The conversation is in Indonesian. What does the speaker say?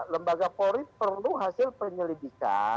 lembaga polri perlu hasil penyelidikan